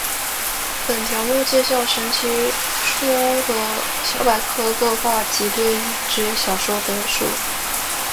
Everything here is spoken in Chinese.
本条目介绍神奇树屋小百科各话及对应之小说本数。